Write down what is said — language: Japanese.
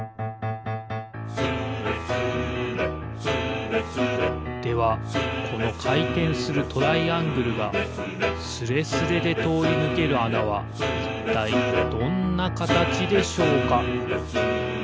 「スレスレスーレスレ」ではこのかいてんするトライアングルがスレスレでとおりぬけるあなはいったいどんなかたちでしょうか？